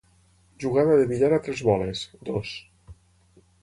Jugada de billar a tres boles; dos.